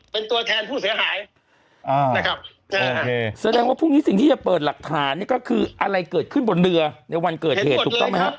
เป็นตัวแทนผู้เสียหายนะครับแสดงว่าพรุ่งนี้สิ่งที่จะเปิดหลักฐานนี่ก็คืออะไรเกิดขึ้นบนเรือในวันเกิดเหตุถูกต้องไหมฮะ